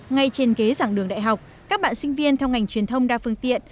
ngay trên kế giảng đường đại học các bạn sinh viên theo ngành truyền thông đa phương tiện